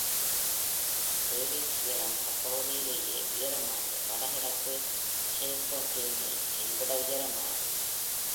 Valin சிகரம் அப்பகுதியிலேயே உயரமானது. வடகிழக்கு Chicoutimiஐ விட உயரமானது.